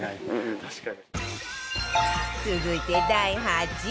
確かに。